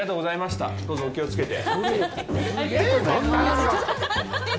どうぞお気をつけて。